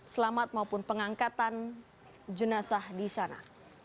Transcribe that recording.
selamat maupun pengangkatan jenazah di sana